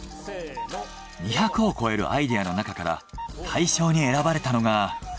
２００を超えるアイデアの中から大賞に選ばれたのが。